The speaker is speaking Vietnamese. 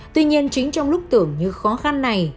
tuy nhiên chính trong lúc tưởng như khó khăn này